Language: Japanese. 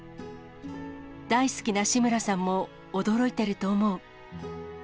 大好きな志村さんも驚いていると思う。